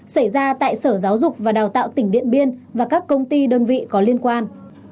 xảy ra tại sở giáo dục và đào tạo tỉnh điện biên và các công ty đơn vị có liên quan